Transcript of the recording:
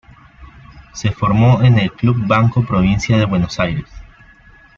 Se formó en el Club Banco Provincia de Buenos Aires.